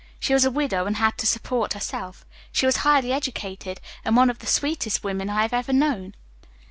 She was a widow and had to support herself. She was highly educated and one of the sweetest women I have ever known.